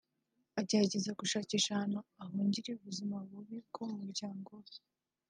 agerageza gushakisha ahantu ahungira ubuzima bubi bwo mu muryango we